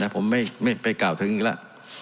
ผมไม่ไปกล่าวถึงอีกแล้ว